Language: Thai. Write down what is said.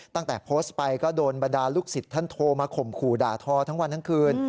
ตั้งแต่โพสต์ไปก็โดนบรรดาลูกศิษย์ท่านโทรมาข่มขู่ด่าทอทั้งวันทั้งคืน